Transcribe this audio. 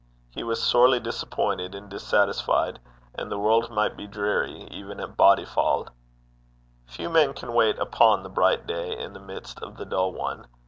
He was sorely disappointed and dissatisfied; and the world might be dreary even at Bodyfauld. Few men can wait upon the bright day in the midst of the dull one.